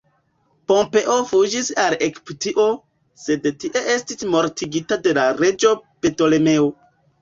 Pompeo fuĝis al Egiptio, sed tie estis mortigita de la reĝo Ptolemeo.